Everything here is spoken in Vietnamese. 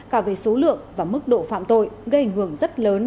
cả về số lượng và mức độ phạm tội gây ảnh hưởng rất lớn